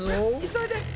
急いで！